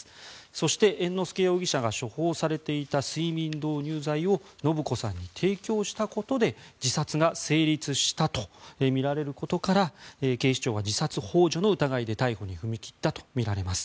そして猿之助容疑者が処方されていた睡眠導入剤を延子さんに提供したことで自殺が成立したとみられることから警視庁は自殺ほう助の疑いで逮捕に踏み切ったとみられます。